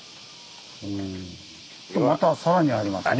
またさらにありますね。